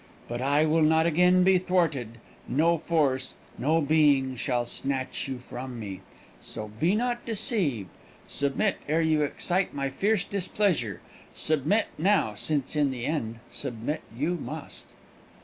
But I will not again be thwarted: no force, no being shall snatch you from me; so be not deceived. Submit, ere you excite my fierce displeasure; submit now, since in the end submit you must!"